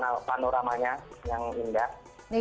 lihat panoramanya yang indah